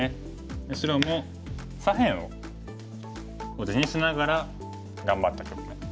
白も左辺を地にしながら頑張った局面。